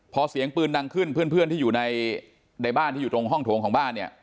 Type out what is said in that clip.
พอเสียงปืนดังขึ้นเพื่อนที่อยู่ในบ้านที่อยู่ตรงห้องโถงของบ้านเนี่ย